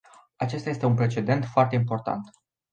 Acesta este un precedent foarte important.